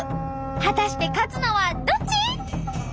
果たして勝つのはどっち！？